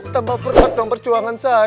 tambah berat dong perjuangan saya